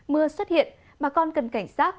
mưa xuất hiện mà còn cần cảnh sát